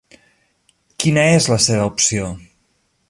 Quina és la seva opció?